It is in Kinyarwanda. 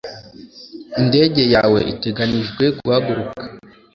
indege yawe iteganijwe guhaguruka